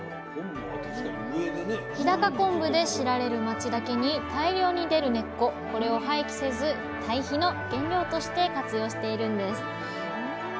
日高昆布で知られる町だけに大量に出る根っここれを廃棄せずたい肥の原料として活用しているんです。